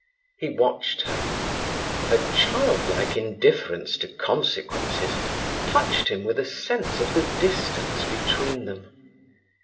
He watched her. Her child like indifference to consequences touched him with a sense of the distance between them.